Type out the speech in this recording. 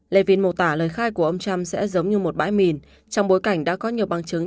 levin mô tả lời khai của ông trump sẽ giống như một bãi mìn trong bối cảnh đã có nhiều bằng chứng